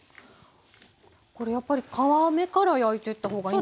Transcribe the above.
これやっぱり皮目から焼いていった方がいいんですか？